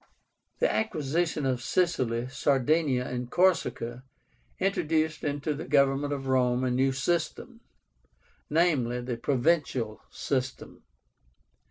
The acquisition of Sicily, Sardinia, and Corsica introduced into the government of Rome a new system; viz. the PROVINCIAL SYSTEM.